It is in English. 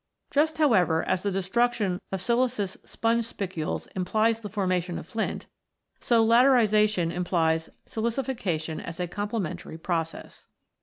Just, however, as the destruction of siliceous sponge spicules implies the formation of flint, so laterisation implies silici fication as a complementary process.